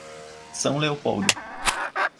São Leopoldo